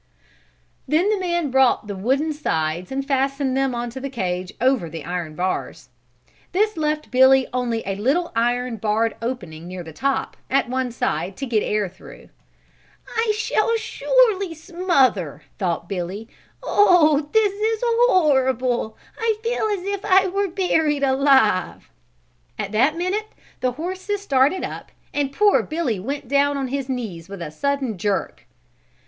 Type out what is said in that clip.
Then the man brought wooden sides and fastened them onto the cage over the iron bars. This left Billy only a little iron barred opening near the top, at one side, to get air through. "I shall surely smother," thought Billy. "Oh, this is horrible! I feel as if I were buried alive." At that minute the horses started up and poor Billy went down on his knees with a sudden jerk.